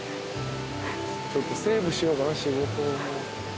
ちょっとセーブしようかな仕事。